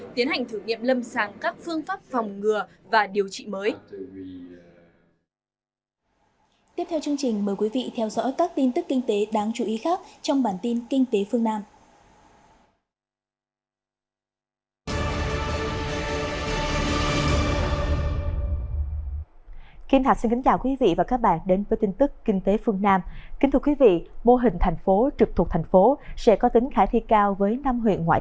tiến hành thử nghiệm lâm sàng các phương pháp phòng ngừa và điều trị mới